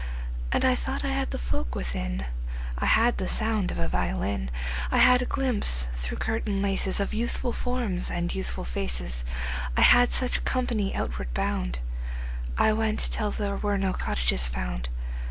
And I thought I had the folk within: I had the sound of a violin; I had a glimpse through curtain laces Of youthful forms and youthful faces. I had such company outward bound. I went till there were no cottages found.